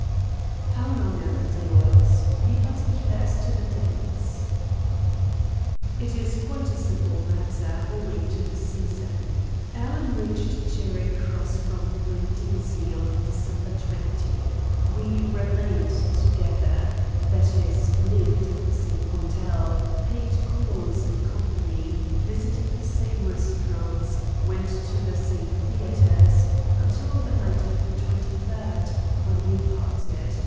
"How long afterwards? Be particular as to dates." "It is quite a simple matter, owing to the season. Alan reached Charing Cross from Brindisi on December 20. We remained together that is, lived at the same hotel, paid calls in company, visited the same restaurants, went to the same theatres until the night of the 23rd, when we parted.